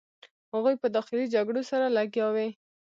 هغوی په داخلي جګړو سره لګیا وې.